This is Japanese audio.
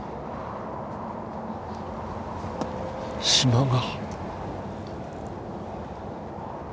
島が。